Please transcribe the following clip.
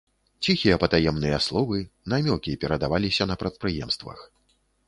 Ціхія патаемныя словы, намёкі перадаваліся на прадпрыемствах.